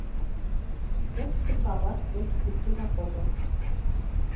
Тыште савар пеш кӱкшыжак огыл.